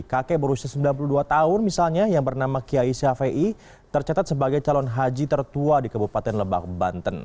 kakek berusia sembilan puluh dua tahun misalnya yang bernama kiai ⁇ shafii ⁇ tercatat sebagai calon haji tertua di kabupaten lebak banten